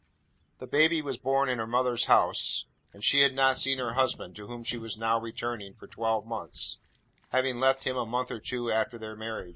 The baby was born in her mother's house; and she had not seen her husband (to whom she was now returning), for twelve months: having left him a month or two after their marriage.